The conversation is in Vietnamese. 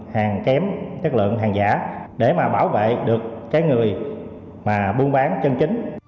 hàng kém chất lượng hàng giả để mà bảo vệ được cái người mà buôn bán chân chính